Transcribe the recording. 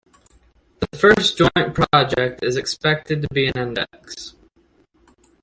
The first joint project is expected be an index.